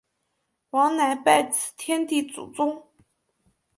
王乃拜辞天地祖宗。